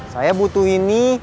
saya butuh ini